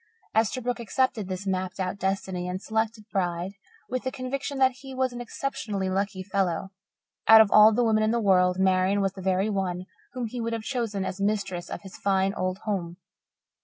Esterbrook accepted his mapped out destiny and selected bride with the conviction that he was an exceptionally lucky fellow. Out of all the women in the world Marian was the very one whom he would have chosen as mistress of his fine, old home.